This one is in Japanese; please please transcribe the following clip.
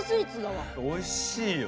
おいしいよ。